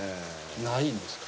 ないんですか。